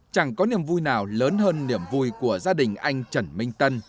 chẳng có niềm vui nào lớn hơn niềm vui của gia đình anh trần minh tân